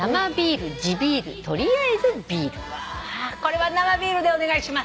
これは「生ビール」でお願いします。